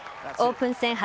オープン戦